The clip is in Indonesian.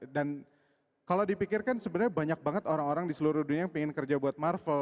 dan kalau dipikirkan sebenarnya banyak banget orang orang di seluruh dunia yang pengen kerja buat marvel